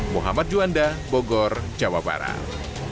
muhammad juanda bogor jawa barat